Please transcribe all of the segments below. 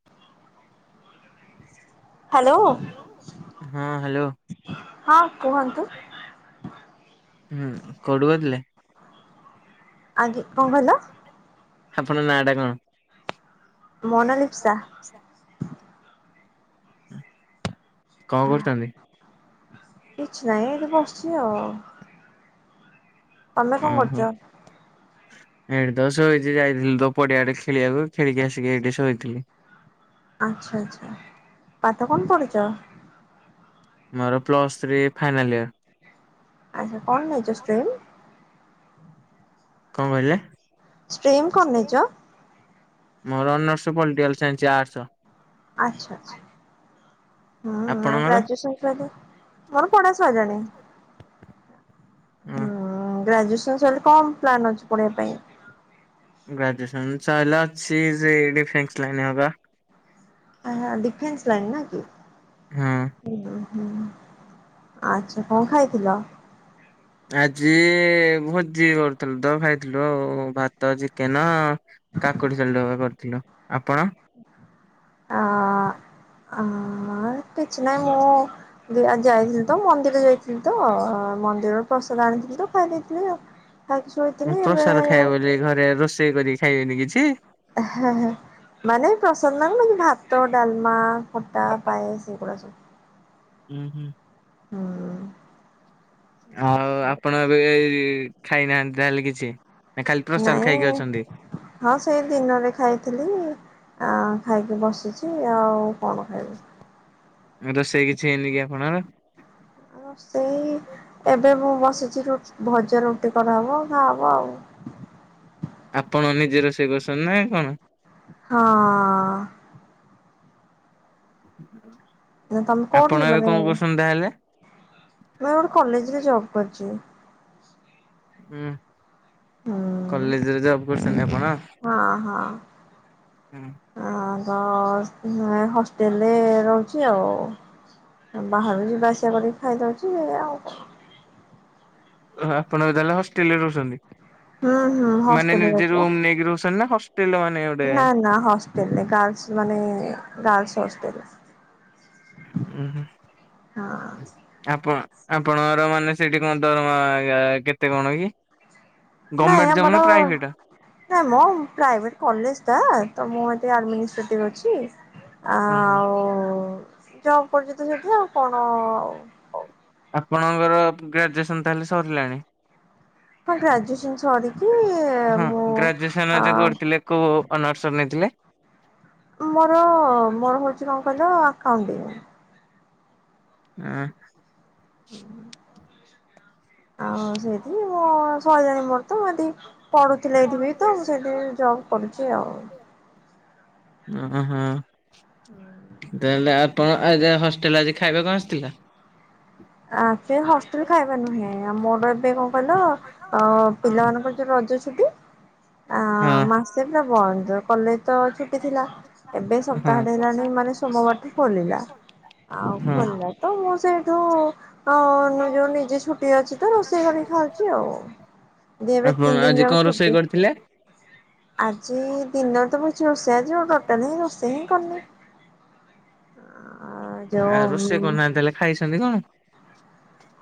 [inaudible] Hello. ହଁ hello ହଁ କୁହନ୍ତୁ ହୁଁ କଉଠୁ କହୁଥୁଲେ? ଆଜ୍ଞା କଣ କହିଲ? ଆପଣଙ୍କ ନାଁ ଟା କଣ? ମୋ ନାଁ ଲିପ୍ସା। କଣ କରୁଛନ୍ତି? କିଛି ନାଇ ଏଇଠି ବସିଛି ଆଉ। ତମେ କଣ କରୁଚ? [inaudible] ଏଇଠି ତ ଶୋଇଛି ଯାଇଥିଲି ତ ପଡିଆଡେ ଖେଳିଆକୁ ଖେଳିକି ଆସିକି ଏଇଠି ଶୋଇଥିଲି। ଆଚ୍ଛା ଆଚ୍ଛା ପାଠ କଣ ପଢ଼ିଚ? ମୋର ପ୍ଲସ୍ ଥ୍ରୀ ଫାଇନାଲ୍ ଇୟର। ଆଚ୍ଛା କଣ ନେଇଚ ଷ୍ଟ୍ରିମ୍? କଣ କହିଲେ? ଷ୍ଟ୍ରିମ୍ କଣ ନେଇଚ? ମୋର ଅନର୍ସ ପଲିଟିକାଲ ସାଇନ୍ସ ଆର୍ଟସ। ଆଛା ଆଛା ହୁଁ ଆ ଆପଣଙ୍କର? ଗ୍ରାଜୁଏସନ୍ ସହିତ ମୋର ପଢ଼ା ସଇଲାଣି। ହଁ ହୁଁ ଗ୍ରାଜୁଏସନ ସରିଲେ କଣ ପ୍ଲାନ ଅଛି ପଢିବା ପାଇଁ? ଗ୍ରାଜୁଏସନ୍ ସଇଲେ ଅଛି ସେଇ ଡିଫେନ୍ସ ଲାଇନ ହବା। ଆହା ଡିଫେନ୍ସ ଲାଇନ୍ ନା କି। ହଁ। ଉଁ ହୁଁ ଆଛା କଣ ଖାଇଥିଲ? ଆଜି ଭୋଜି କରୁଥିଲୁ ତ ଖାଇଥିଲୁ ଆଉ ଭାତ, ଚିକେନ କାକୁଡି ସଲୁଟୁ ବେରିକା କରିଥିଲୁ ଆପଣ? ଆ ଆ କିଛି ନାହିଁ ମୁଁ ଯା ଯାଇଥିଲି ତ ମନ୍ଦିର ଯାଇଥିଲି ତ ମନ୍ଦିରରୁ ପ୍ରସାଦ ଆଣିଥିଲି ତ ଖାଇଦେଇଥିଲି ଆଉ। ଖାଇକି ଶୋଇଥିଲି ଏବେ ପ୍ରସାଦ ଖାଇବ ବୋଲି ଘରେ ରୋଷେଇ କରି ଖାଇବେନି କିଛି। [unintelligible] ମାନେ ପ୍ରସାଦ ମାନେ ଭାତ, ଡଲମା, ଖଟା, ପାଏସ ସେଇଗୁଡା ସବୁ। ହୁଁ ହୁଁ। ହୁଁ। ଆଉ ଆପଣ ଏବେ ଏଇ ଖାଇନାହାନ୍ତି ତାହେଲେ କିଛି। ନା ଖାଲି ପ୍ରସାଦ ଖାଇକି ନାଇଁ ଅଛନ୍ତି? ହଁ ସେଇ ଦିନରେ ଖାଇଥିଲି ଆଉ ଖାଇକି ବସିଛି ଆଉ କଣ ଖାଇବ? ଉଁ ରୋସେଇ କିଛି ହେଇନି କି ଆପଣଙ୍କର? ରୋ ସେଇ ଏବେ ମୁଁ ବସିଛି ରୁ ଭଜା ରୁଟି କରାହବ ଖାଆ ହବ ଆଉ। ଆପଣ ନିଜେ ରୋଷେଇ କରୁଛନ୍ତି ନା କଣ? ହଁ। [unintelligible] ନା ତମେ ଆପଣ କୋଉଠି ଏବେ ମାନେ କଣ କରୁଛନ୍ତି ତାହେଲେ? ମୁଁ ଗୋଟେ କଲେଜରେ ଜବ କରିଛି। ହୁଁ ହୁଁ କଲେଜରେ ଜବ କରୁଛନ୍ତି ଆପଣ? ହଁ ହଁ। ହୁଁ। ଆ ହ ହଷ୍ଟେଲରେ ରହୁଛି ଆଉ। ବାହାରକୁ ଯିବା ଆସିବା କରିକି ଖାଇଦଉଛି ଆଉ କଣ? ଆପଣ ତାହଲେ ହଷ୍ଟେଲରେ ରହୁଛନ୍ତି ହୁଁ ହୁଁ ମାନେ ହଷ୍ଟେଲରେ ନିଜେ ରହୁଛି ବା। ରୁମ୍ ନେଇକି ରହୁଛନ୍ତି ନା ହ ପିଲମାନେ ନା ନା ହଷ୍ଟେଲରେ ଗାର୍ଲସ ମାନେ ଗାର୍ଲସ ହଷ୍ଟେଲ। ଉଁ ହୁଁ। ହଁ। ଆପଣ ଆପଣଙ୍କର ମାନେ ସେଠି କଣ ଦରମା କେତେ କଣ କି? ଗମେଣ୍ଟ ନାଇଁ ଜବ୍ ନା ଆମର ପ୍ରାଇଭେଟ? ନାଇଁ ମ ପ୍ରାଇଭେଟ କଲେଜ ଟା ତ ମୁଁଏଠି ଆଡମିନିଷ୍ଟ୍ରେଟିଭ ଅଛି। ଓହୋ। ଆଉ ଜବ କରୁଛି ତ ସେଠି ଆଉ କଣ ଆଉ ହଉ ଆପଣଙ୍କର ଗ୍ରାଜୁଏସନ ତାହେଲେ ସରିଲାଣି। ହଁ ଗ୍ରାଜୁଏସନ୍ ସରିକି ହଁ ମୁଁ ଗ୍ରାଜୁଏସନ ଯୋଉ ଆଁ କରୁଥିଲେ କୋଉ ଅନର୍ସ ନେଇଥିଲେ? ମୋର ମୋର ହଉଛି କଣ କହିଲ ଆକାଉଟିଙ୍ଗି। ଆଁ। ହୁଁ। ଆଉ ସେଇଠି ମୁଁ ଶହେ ଜଣ ମୋର ତ ଏମତି ପଢୁଥିଲେ ଏଇଠି ବି ତ ମୁଁ ସେଠି ଜବ୍ କରୁଛି ଆଉ। ଅଁ ହଁ ତାହେଲେ ଆ ପଣ ଆଗା ହଷ୍ଟେଲ ଆଜି ଖାଇବା କଣ ଆସିଥିଲା? ଆ ସେ ହଷ୍ଟେଲ ଖାଇବା ନୁହେଁ ମୋର ଏବେ କଣ କହିଲ ଅ ପିଲାମାନଙ୍କର ଯୋଉ ରଜ ଛୁଟି ଆ ହଁ ମା ସେ ପୁରା ବନ୍ଦ କଲେଜ ତ ଛୁଟି ଥିଲା। ଏବେ ହଁ ସପ୍ତାହଟେ ହେଲାଣି ମାନେ ସୋମବାରଠୁ ଖୋଲିଲା। ଆଉ ହଁ। ଖୋଲିଲା ତ ମୁଁ ସେଠୁ ହଁ ନ ଯୋଉ ନିଜେ ଛୁଟି ଅଛି ତ ରୋଷେଇ କରିକି ଖାଉଛି ଆଉ। ଜେ ଏବେ ଆପଣ ଆଜି ତିନଦିନ କଣ ଯାଉ ରୋଷେଇ ଛୁଟିି। କରିଥିଲେ? ଆଜି ଦିନରେ ତ ମୁଁ କିଛି ରୋଷେଇ ଆଜି ଟୋଟାଲ ହିଁ ରୋଷେଇ ହିଁ କରିନି। ଆ ଆ ଯୋଉ ରୋଷେଇ ଉଁ କରୁନାହାନ୍ତି ତାହେଲେ ଖାଇଛନ୍ତି କଣ?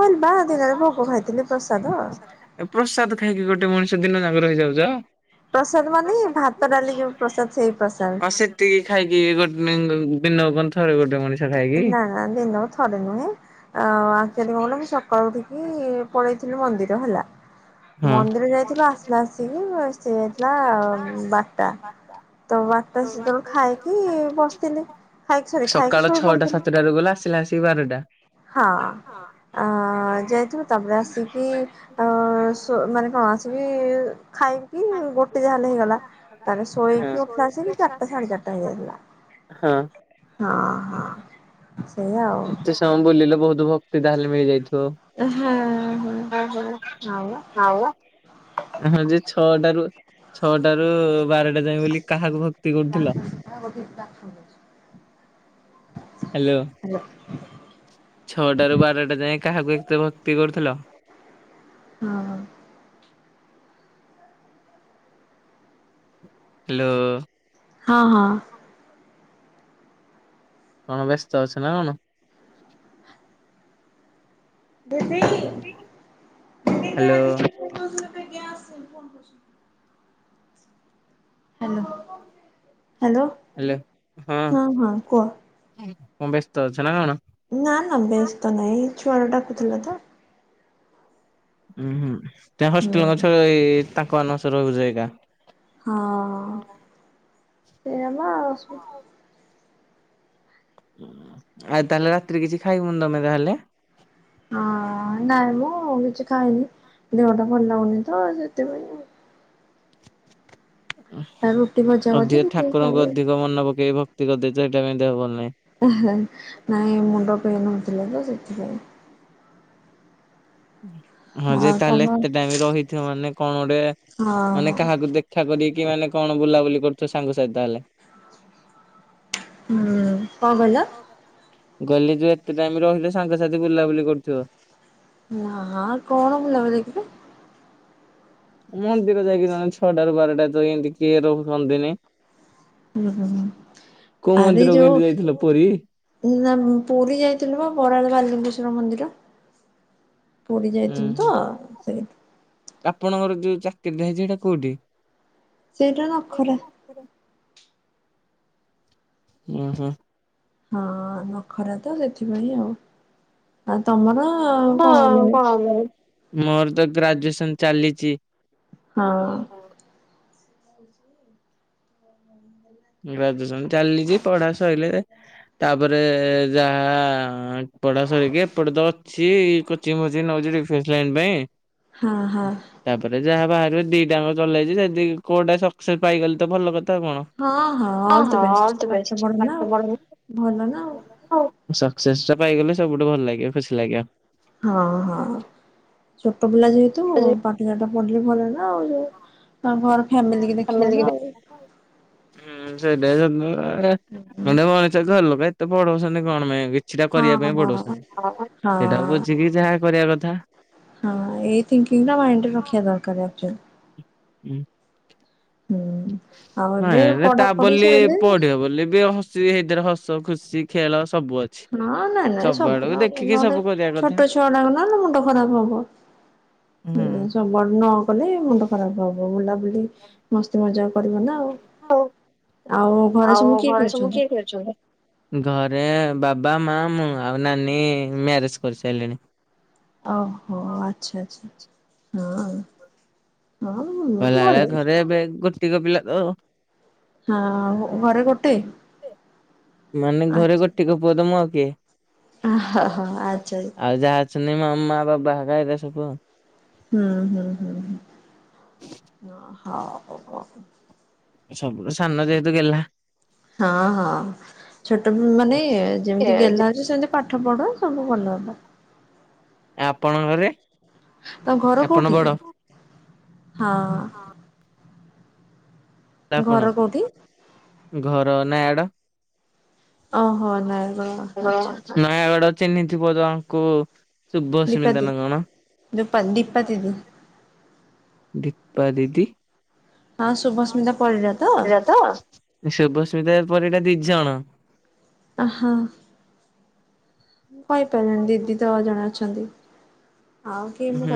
ହଁ ବା ଦିନରେ ଭୋଗ ଖାଇଥିଲି ପ୍ରସାଦ। ଏ ପ୍ରସାଦ ଖାଇକି ଗୋଟେ ମଣିଷ ଦିନ ଯାକ ରହିଯାଉଛ? ମାନେ ପ୍ରସାଦ ଭାତ ମାନେ ଡାଲି ଯୋଉ ଭାତ ପ୍ରସାଦ ସେଇ ଡାଲି ହଁ ପ୍ରସାଦ ସେ ତିକି ଖାଇକି ଗୋଟେ ଦିନକୁ ଥରେ ଗୋଟେ ମଣିଷ। ଖାଏକି? ନା ନା ଦିନକୁ ଥରେ ନୁହେଁ। ଆକ୍ଚୁଆଲି କଣ କହିଲ ମୁଁ ସକାଳୁ ଉଠିକି ପଳେଇ ଥିଲୁ ମନ୍ଦିର ହେଲା ହଁ ମନ୍ଦିର ଯାଇଥିଲୁ ଆସିଲା ଆସିକି ସୋଇ ଥିଲା ଵାରଟା ତ ବାରଟା ସେତେବେଳୁ ଖାଇକି ବସିଥିଲି। ଖାଇକି ସରି ଖାଇକି ସକାଳ ଶୋଇ ପଡି ଛଅଟା ସାତଟାରୁ ଗଲେ ଆସିଲ ଆସିକି ବାରଟା। ହଁ ଅ ଯେହେତୁ ତାପରେ ଆସିକି ଆ ସୋ ମାନେ କଣ ଆସିକି ଖାଇ କି ଗୋଟେ ଯାହା ହେଲେ ହେଇଗଲା ତାରେ ଶୋଇକି ଉଠିଲା ଆଲସିକି ଚାରିଟା ସାଢେ ଚାରିଟା ହେଇଯାଇଥିଲା। ହଁ। ହଁ ହଁ ସେଇୟା ଆଉ। ହ ବୁଲିଲେ ବହୁତ ଭକ୍ତି ତାହେଲେ ମିଳିଯାଇଥିବ। ହଁ ହଁ। ହ ହ ଆଉ ଆଉ। ହଁ ଯେ ଛଅଟାରୁ ଛଅଟାରୁ ବାର ଟା ଯାଏ ବୋଲି କାହାକୁ ଭକ୍ତି କରୁଥିଲ? ଆ ବସିକି ଟାସ୍କ କରୁଚି। ହ୍ୟାଲୋ। ହ୍ୟାଲୋ। ଛଅଟାରୁ ବାରଟା ଯାଏ କାହାକୁ ଏତ ଭକ୍ତି କରୁଥିଲ? ହଁ ହ୍ୟାଲୋ। ହଁ ହଁ। କଣ ବ୍ୟସ୍ତ ଅଛ ନା କଣ? Hello [inaudible] hello hello. ହାଲୋ ହଁ କଣ ବ୍ୟସ୍ତ ଅଛ ନା କଣ? ନା ନା ବେସ୍ତ ନାଇଁ ଛୁଆରା ଡାକୁଥିଲେ ତ। ଉଁ ହୁଁ ତମେ ହୁଁ। ହଷ୍ଟେଲଙ୍କ ଛୁଆ ତାଙ୍କ ମାନଙ୍କ ସହ ରହୁଛ ଏକା। ହଁ ସେଇଆ ତ ଅସୁବିଧା। ହ ଆଉ ତାହେଲେ ରାତିରେ କିଛି ଖାଇବୁନି ନା ତାହେଲେ? ହଁ ନାଇଁ ମୁଁ କିଛି ଖାଇନି ଦେହ ଟା ଭଲ ଲାଗୁନି ତ ସେଥିପାଇଁ ଆଉ। ତା ରୁଟି ଭଜା ଭଜି ଅଧିକ ଦେଖିକି ଠାକୁରଙ୍କୁ ଖାଇବେ। ଅଧିକ ମନେ ପକେଇକି ଭକ୍ତି କରିଦେଇଛ ସେଇଟା ପାଇଁ ଦେହଭଲ ନାହିଁ। ନାଇଁ ମୁଣ୍ଡ ପେନ ହଉଥିଲେ ତ ସେଥିପାଇଁ। ହଁ ଯେ ଆଉ ତମ ତାହେଲେ ଏତେ ଟାଇମ ରହିଥିବ ମାନେ କଣ ଗୋଟେ ହଁ ମାନେ କାହାକୁ ଦେଖ ଦେଖା କରିକି ମାନେ କଣ ବୁଲାବୁଲି କରୁଥ ସାଙ୍ଗ ସାତୀ ତାହାହେଲେ। ହୁଁ କଣ କହିଲ। ମୁଁ କହିଲିଯେ ଏତେ ଟାଇମ ରହିଲେ ସାଙ୍ଗସାଥି ବୁଲାବୁଲି କରୁଥିବ। ନା କଣ ବୁଲାବୁଲି କି। ମନ୍ଦିର ଯାଇକି ଜଣେ ଛଅଟାରୁ ବାରଟା ତ ଏମତି କିଏ ରୁହନ୍ତିନି। ହୁଁ ହୁଁ ହୁଁ କୋଉ ଆରେ ମନ୍ଦିରକୁ ଯୋଉ ଇନ୍ତି ଯାଇଥିଲ ପୁରୀ। ନା ପୁରୀ ଯାଇଥିଲୁ ବା ବରାଳ ବାଲିଙ୍ଗେଶ୍ଵର ମନ୍ଦିର। ପୁରୀ ଉଁ ଯାଇଥିଲୁ ତ ହୁଁ ସେଇ ଆପଣଙ୍କର ଯୋଉ ଚାକିରି ହେଛି ସେଇଟା କୋଉଠି। ସେଇଟା ନଖରା। ଉଁ ହୁଁ। ହଁ ନଖରା ତ ସେଥିପାଇଁ ଆଉ ଆଉ ତମର କଣ ଆଉ ମୁଁ। ମୋର ତ ଗ୍ରାଜୁଏସନ ଚାଲିଛି। ହଁ। ଆଉଛି। [inaudible] ଗ୍ରାଜୁଏସନ ଚାଲିଛି ପଢା ସରିଲ ତାପରେ ଯାହା ପଢା ସରିକି ଏପଟେ ତ ଅଛି କୋଚିଙ୍ଗି ଫୋଚିଙ୍ଗି ନଉଛି ଫିଷ୍ଟିଲାନ ପାଇଁ। ହଁ ହଁ। ତାପରେ ଯାହା ବାହାରୁ ଦିଟାଙ୍କ ଚଲେଇଛି ଯଦି କୋଉଟା ସକ୍ସେସ ପାଇଗଲେ ତ ଭଲ କଥାଉ କଣ। ହଁ ହଁ ଅଲ୍ ଦ ହଁ ବେଷ୍ଟ ପାଠ ଅଲଦବେଷ୍ଟ। ପଢ ନା ଆଉ ଭଲ ନା ଆଉ। ସକ୍ସେସ୍ ଟା ପାଇଗଲେ ସବୁଠୁ ଭଲ ଲାଗିବ ଖୁସି ଲାଗିବ। ହଁ ହଁ ଛୋଟ ପିଲା ଯେହେତୁ ପାଠ ସାଠ ପଢିଲେ ଭଲ ନା। ଆଉ ଘର ଫାମିଲି କି ଦେଖିବ ନା ଆଉ। ହୁଁ ସେଟଆ [inaudible] ହୁଁ। ଗୋଟେ ମଣିଷକୁ ଘର ଲୋକ ଏତେ ପଢ଼ୋଉଛନ୍ତି କଣ ପାଇଁ କି। ସେଟା କରିବା ପାଇଁ ହଁ। ପଢ଼ଉଛନ୍ତି ସେଟା ହଁ ବୁଝିକି ଯାହା କରିବା କଥା। ହଁ ଏଇ ଥିଙ୍କିଙ୍ଗଟା ମାଇଣ୍ଡ ରେ ରଖିବା ଦରକାର ଆକ୍ଚୁଆଲି। ହୁଁ। ଆଉ ଏବେ ନାଇଁ ତା ପଢାପଢି ବୋଲି ସଇଲେ ପଢିବ ବୋଲି ବି ସେଇଥିରେ ହସ ଖୁସି ଖେଳ ସବୁ ଅଛି। ହଁ ନାଇଁ ନାଇଁ ସବୁ ଆଡକୁ ଦେଖିକି ନହେଲେ ସବୁ କରିବା କଥା ଛୋଟ ଛୁଆଗୁଢାକନା ମୁଣ୍ଡ ଖରାପ ହବ। ହୁଁ। କୁଆଡେ଼ ନ ଗଲେ ମୁଣ୍ଡ ଖରାପ ହବ ବୁଲାବୁଲି ମସ୍ତି ମଜା କରିବ ନା ଆଉ। ଆଉ ଘରେ ସବୁ କିଏ କିଏ ଅଛନ୍ତି। କିଏ ଅଛନ୍ତି। ଘରେ ବାବା ମା ମୁଁ ଆଉ ନାନୀ ମ୍ୟାରେଜ କରିସାରିଲେଣି। ଓହୋ ଆଚ୍ଛା ଆଚ୍ଛା ହଁ। ହଁ ମୁଁ କହିଲା ଭଲ ଭଳିଆ ଅଛି। ଘରେ ଏବେ ଗୋଟିକ ପିଲା ତଉ। ହଁ ଘରେ ଗୋଟେ। ମାନେ ଘରେ ଆଚ୍ଛା ଗୋଟିକ ପୁଅ ତ ମୁଁ ଆଉ କିଏ ଆହା ହା ଆଚ୍ଛା ଆଉ ଯାହା। ଅଛନ୍ତି ମାମା ବାବା ହେକା ଏରା ସବୁ ଆଉ। ହୁଁ ହୁଁ ହୁଁ ହୁଁ ହଉ। ସବୁୁଠୁ ସାନ ଯେହେତୁ ଗେଲ୍ହା। ହଁ ହଁ ଛୋଟ ମାନେ ଯେମିତି ଗେଲ୍ହା ଯେ ସେମିତି। ପାଠ ପଢ଼ ସବୁ ଭଲ ହେବ। ଆପଣଙ୍କ ଘରେ? ତମ ଘର ଆପଣ କୋଉଠି? ବଡ ହଁ। ଘର ପଣ କୋଉଠି ଘର ନୟାଗଡ। ଓହୋ। ନାଇଁ ର ଆଚ୍ଛା ଆଚ୍ଛା। ନୟାଗଡ଼ ଚିହ୍ନିଥିବ ଜଣଙ୍କୁ ଦୀପା ଶୁଭସ୍ମିତା ନାଁ ଦିଦି କଣ? ଦୀପା ଦୀପା ଦିଦି ଦୀପା ଦିଦି ହଁ ଶୁଭସ୍ମିତା ପରିଡ଼ା ତ ଏଇଆ ତ, ଶୁଭସ୍ମିତା ପରିଡା ଦି ଜଣ ଆହା, ମୁଁ କହିପାରିବିନି ଦିଦି ତ ଜଣେ ଅଛନ୍ତି। ଆଉ କିଏ ମୁଁ ହୁଁ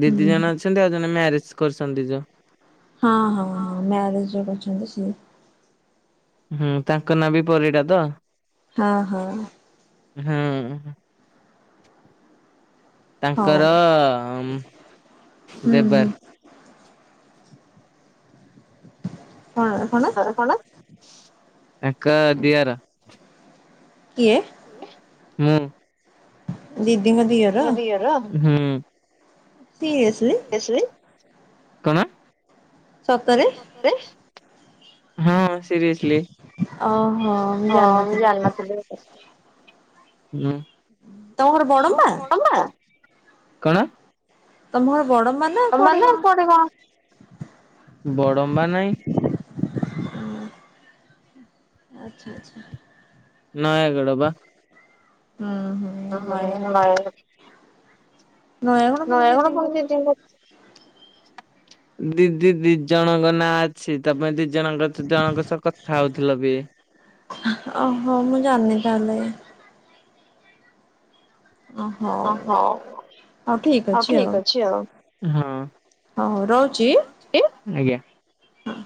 ଦି ଦି ଜଣ ହୁଁ। ଅଛନ୍ତି ଆଉ ଜଣେ ମ୍ୟାରେଜ କରିଛନ୍ତି ଯୋଉ ହଁ ହଁ ହଁ, ମ୍ୟାରେଜ ଯିଏ କରିଛନ୍ତି ସିଏ। ହୁଁ ତାଙ୍କ ନାଁ ବି ପରିଡ଼ା ତ। ହଁ ହଁ। ହୁଁ। ହଉ। ତାଙ୍କର ହୁଁ ଦେବା। ହୁଁ ତାଙ୍କର କଣ? ତାଙ୍କ ଦିଅର। କିଏ? କିଏ? ମୁଁ। ଦିଦିଙ୍କ ଦିଅର? ତାଙ୍କ ଦିଅର? ହୁଁ। ସିଏସ୍ ନେଇଆସିବି। କଣ? ସତରେ ସତରେ? ହଁ। ସିରିଏସ୍ଲି, ହଁ ମୁଁ ଜାଣିନଥିଲି। ହୁଁ। ତମ ଘର ବଡମ୍ବା ତମଠୁ ବଡ ନା? କଣ? ତମ ଘର ବଡମ୍ବା ନା କୁଆଡେ କଣ? ବଡମ୍ବା ନାଇଁ। ଆଚ୍ଛା ଆଚ୍ଛା। ନୟାଗଡ଼ ବା। ହୁଁ ହୁଁ। ଓହୋ, ନୟାଗଡ଼। ନୟାଗଡ ପୁଣି ଦିଦି ଙ୍କର ହ ର [unintelligible] ଦିଦି ଦି ଜଣଙ୍କ ନାଁ ଅଛି, ତମେ ଦି ଜଣଙ୍କ ଦ ଜଣଙ୍କ ସହ କଥା ହଉଥିଲ ବି। ଓହୋ। ମୁଁ ଜାଣିନି ତାହେଲେ। ଓ ହଉ। ହଉ ଠିକ ଅଛି ଆଉ। ହଁ ହଉ ରହୁଚି। ଚି, ଆଜ୍ଞା। ହଁ।